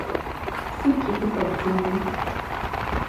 Сыт щӀыхыфӀэбдзэнур?